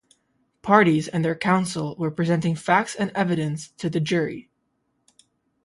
Parties or their counsel were presenting facts and evidence to the jury.